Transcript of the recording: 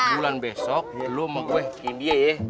bulan besok lo mau gue india ye